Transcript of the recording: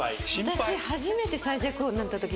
私初めて最弱王になったとき。